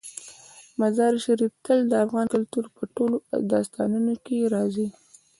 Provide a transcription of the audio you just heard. مزارشریف تل د افغان کلتور په ټولو داستانونو کې راځي.